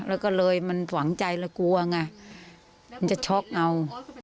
แล้วก็เลยมันฝังใจแล้วกลัวไงมันจะช็อกเอา